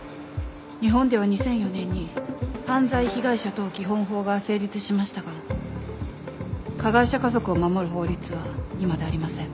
日本では２００４年に犯罪被害者等基本法が成立しましたが加害者家族を守る法律はいまだありません。